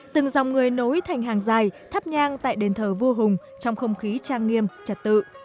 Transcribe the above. từng dòng người nối thành hàng dài thắp nhang tại đền thờ vua hùng trong không khí trang nghiêm trật tự